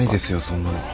そんなの。